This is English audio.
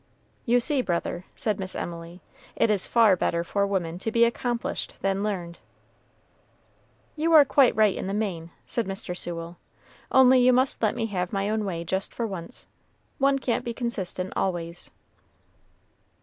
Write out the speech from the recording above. "You see, brother," said Miss Emily, "it is far better for women to be accomplished than learned." "You are quite right in the main," said Mr. Sewell, "only you must let me have my own way just for once. One can't be consistent always."